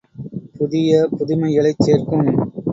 புதிய புதுமைகளைச் சேர்க்கும்.